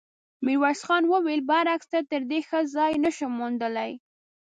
ميرويس خان وويل: برعکس، تر دې ښه ځای نه شم موندلی.